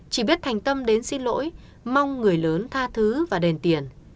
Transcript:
chỉ biết thành tâm đến xin lỗi mong người lớn tha thứ và đền tiền